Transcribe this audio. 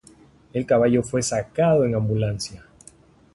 El caballo fue sacado en ambulancia.